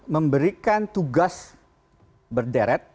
memberikan tugas berderet